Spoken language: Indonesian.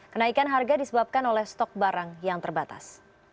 kenaikan harga disebabkan oleh stok barang yang terbatas